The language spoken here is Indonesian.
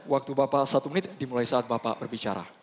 waktu bapak satu menit dimulai saat bapak berbicara